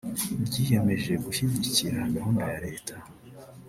ryiyemeje gushyigikira gahunda ya Leta